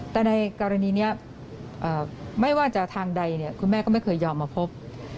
แต่ในกรณีนี้ไม่ว่าจะทางใดคุณแม่ก็ไม่เคยยอมมาพบ